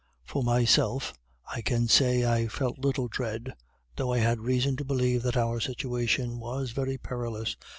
For myself, I can say, I felt little dread, though I had reason to believe that our situation was very perilous.